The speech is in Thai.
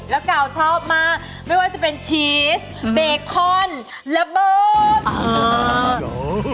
แล้วกาวชอบมากไม่ว่าจะเป็นชีสเบคอนระเบิด